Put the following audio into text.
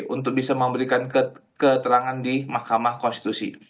untuk bisa memberikan keterangan di mahkamah konstitusi